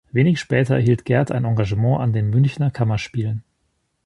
Wenig später erhielt Gert ein Engagement an den Münchner Kammerspielen.